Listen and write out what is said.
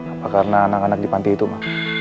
apa karena anak anak di panti itu ma